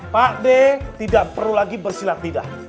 pakde tidak perlu lagi bersilah tidak